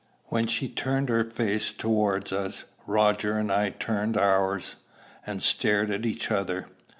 When she turned her face towards us, Roger and I turned ours, and stared at each other.